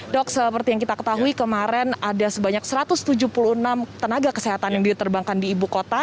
dok seperti yang kita ketahui kemarin ada sebanyak satu ratus tujuh puluh enam tenaga kesehatan yang diterbangkan di ibu kota